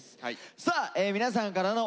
さあ皆さんからのお便り